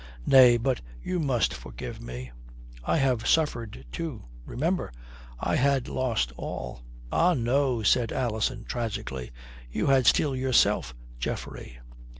"Nay, but you must forgive me. I have suffered too. Remember! I had lost all." "Ah, no," says Alison tragically, "you had still yourself, Geoffrey."